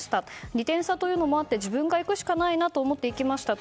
２点差というのもあって自分が行くしかないなと思って行きましたと。